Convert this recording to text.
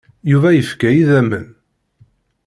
Yuba yefka idammen.